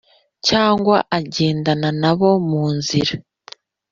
cyangwa agendana na bo mu nzira